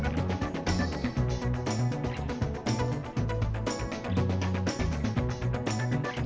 dipilihlah antara struktur dan bijak